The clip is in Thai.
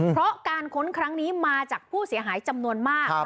เพราะการค้นครั้งนี้มาจากผู้เสียหายจำนวนมาก